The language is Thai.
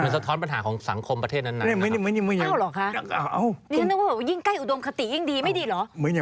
มันสะท้อนปัญหาสังคมประเทศนั้นหรืออย่างะทั้งแต่ยิ่งใกลู้มกติยิ่งดีไม่ดีเหรอ